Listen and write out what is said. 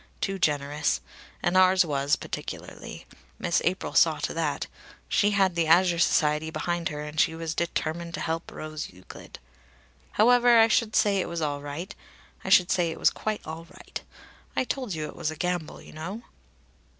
Too generous. And ours was, particularly. Miss April saw to that. She had the Azure Society behind her, and she was determined to help Rose Euclid. However, I should say it was all right I should say it was quite all right. I told you it was a gamble, you know."